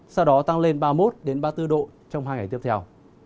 sau đó tăng lên ba mươi một ba mươi bốn độ trong hai ngày tiếp theo